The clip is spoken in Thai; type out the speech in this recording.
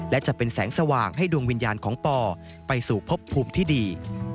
และจะเป็นแสงสว่างให้ดวงวิญญาณของปอไปสู่พบภูมิที่ดี